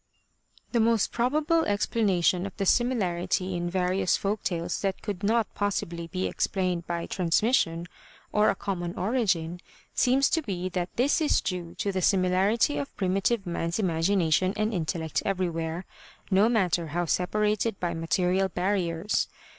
The most probable explanation of the similarity in various folk tales that could not possibly be explained by transmission or a common origin, seems to be that this is due to the similarity of primitive man's imagination and intellect everywhere, no matter how separated by material barriers.